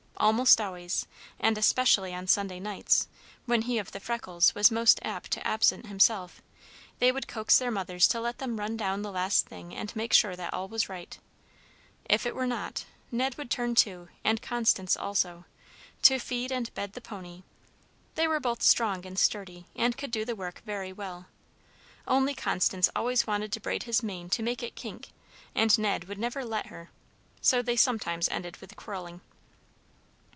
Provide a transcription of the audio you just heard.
Almost always, and especially on Sunday nights, when he of the freckles was most apt to absent himself, they would coax their mother to let them run down the last thing and make sure that all was right. If it were not, Ned would turn to, and Constance also, to feed and bed the pony; they were both strong and sturdy, and could do the work very well, only Constance always wanted to braid his mane to make it kink, and Ned would never let her; so they sometimes ended with quarrelling.